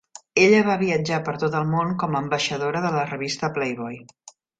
Ella va viatjar per tot el món com a ambaixadora de la revista "Playboy".